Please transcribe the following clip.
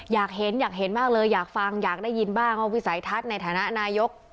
อยากเห็นอยากเห็นมากเลยอยากฟังอยากได้ยินบ้างว่าวิสัยทัศน์ในฐานะนายก